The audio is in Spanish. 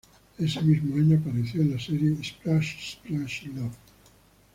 Ese mismo año apareció en la serie "Splash Splash Love".